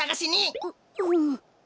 ううん。